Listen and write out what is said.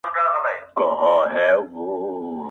او وحشت زياتوي